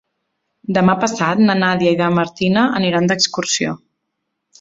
Demà passat na Nàdia i na Martina aniran d'excursió.